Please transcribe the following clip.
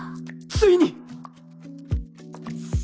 ついに！